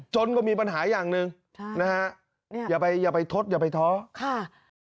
จนก็มีปัญหาอย่างหนึ่งนะฮะอย่าไปอย่าไปทดอย่าไปท้อค่ะ